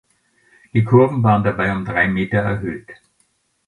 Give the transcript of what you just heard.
Die Kurven waren dabei um drei Meter erhöht.